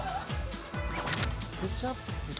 ケチャップと。